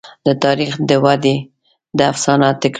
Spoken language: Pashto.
د تاریخ داودي دا افسانه تکراروي.